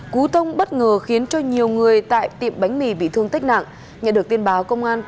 cú tông bất ngờ khiến cho nhiều người tại tiệm bánh mì bị thương tích nặng